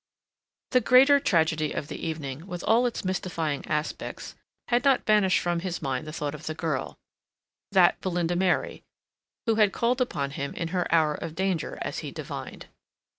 The greater tragedy of the evening, with all its mystifying aspects had not banished from his mind the thought of the girl that Belinda Mary, who had called upon him in her hour of danger as he divined.